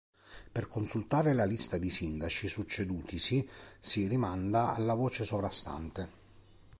Per consultare la lista dei sindaci succedutisi si rimanda alla voce sovrastante.